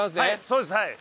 そうですはい。